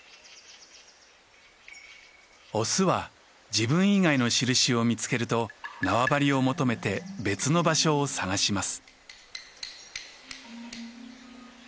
オスは自分以外のしるしを見つけると縄張りを求めて別の場所を探します。